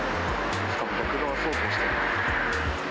しかも逆側走行してます。